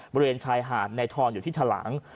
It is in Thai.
บริเวณชายหาดในทอนอยู่ที่ทะหลัง